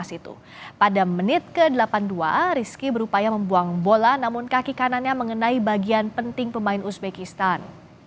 saya ingin mengucapkan selamat menang ke uzebakistan